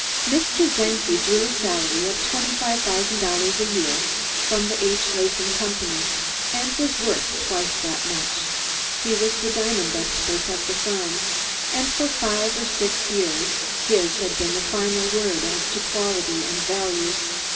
Mr. Czenki drew a salary of twenty five thousand dollars a year from the H. Latham Company, and was worth twice that much. He was the diamond expert of the firm; and for five or six years his had been the final word as to quality and value.